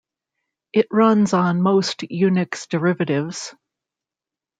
It runs on most Unix derivatives.